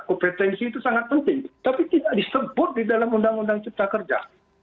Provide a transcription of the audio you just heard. kompetensi itu sangat penting tapi tidak disebut di dalam undang undang cipta kerja